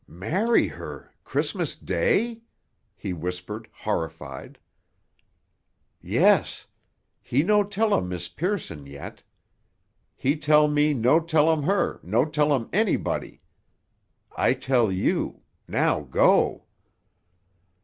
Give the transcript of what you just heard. "Marry her—Christmas Day?" he whispered, horrified. "Yes. He no tell um Miss Pearson yet. He tell me no tell um her, no tell um anybody. I tell you. Now go."